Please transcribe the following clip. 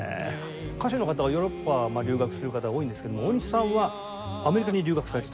歌手の方はヨーロッパ留学する方が多いんですけども大西さんはアメリカに留学されてたそうですね。